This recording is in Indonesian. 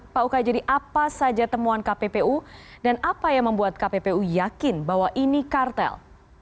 pak ukay jadi apa saja temuan kppu dan apa yang membuat kppu yakin bahwa ini kartel